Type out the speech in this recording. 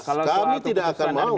kalau sudah jelas kami tidak akan mau